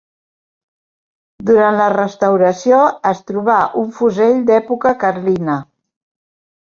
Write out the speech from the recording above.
Durant la restauració es trobà un fusell d'època carlina.